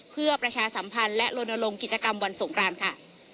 เพื่อประชาสัมพันธ์และลนลงกิจกรรมวันสงครานค่ะ